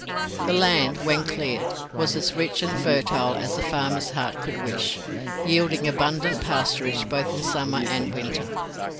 The land, when cleared, was as rich and fertile as the farmer's heart could wish, yielding abundant pasturage both in summer and winter.